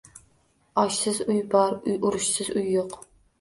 Oshsiz uy bor, urushsiz uy yo‘q.